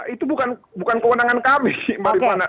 itu bukan kewenangan kami sih mbak rifana